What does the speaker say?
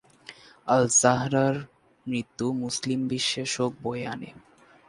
আল-জাররাহর মৃত্যু মুসলিম বিশ্বে শোক বয়ে আনে।